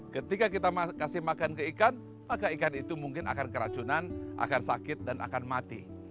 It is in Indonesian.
ketika kita kasih makan ke ikan maka ikan itu mungkin akan keracunan akan sakit dan akan mati